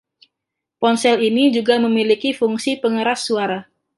Ponsel ini juga memiliki fungsi pengeras suara.